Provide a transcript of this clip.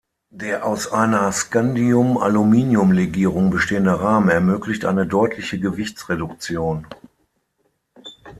Der aus einer Scandium-Aluminium-Legierung bestehende Rahmen ermöglicht eine deutliche Gewichtsreduktion.